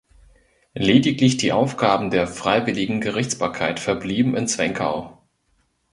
Lediglich die Aufgaben der Freiwilligen Gerichtsbarkeit verblieben in Zwenkau.